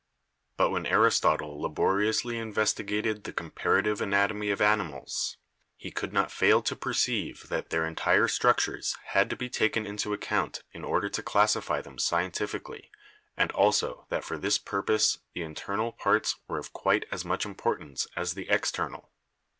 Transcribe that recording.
"But when Aristotle laboriously investigated the com parative anatomy of animals, he could not fail to perceive that their entire structures had to be taken into account in order to classify them scientifically and also that for this purpose the internal parts were of quite as much impor tance as the external.